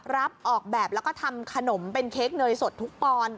ออกแบบแล้วก็ทำขนมเป็นเค้กเนยสดทุกปอนด์